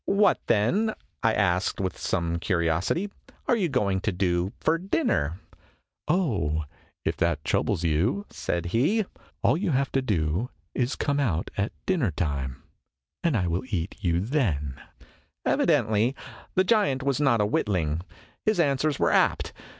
"What, then," I asked, with some curiosity, "are you going to do for dinner ?" "Oh, if that troubles you," said he, "all you have to do is to come out at dinner time and I will eat you then." 128 IMAGINOTIONS Evidently the giant was not a witling. His answers were apt.